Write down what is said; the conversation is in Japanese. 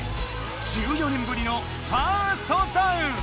１４年ぶりのファーストダウン！